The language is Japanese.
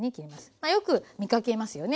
まあよく見かけますよね。